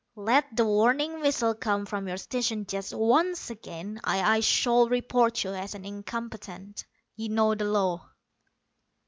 Let the warning whistle come from your station just once again and I shall report you as an incompetent. You know the law."